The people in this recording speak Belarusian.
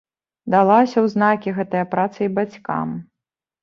Далася ў знакі гэтая праца і бацькам.